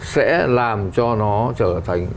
sẽ làm cho nó trở thành